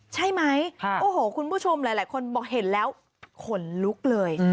ใช่ไหมคุณผู้ชมหลายคนเห็นแล้วขนลุกเลย